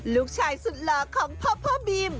ลูกชายสุดหล่อของพ่อบีม